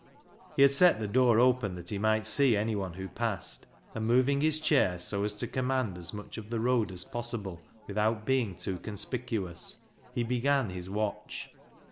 He had set the door open that he might see anyone who passed, and moving his chair so as to command as much of the road as possible without being too conspicuous, he began his watch.